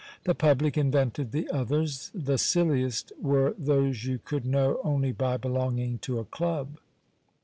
The public invented the others. The silliest were those you could know only by belonging to a club.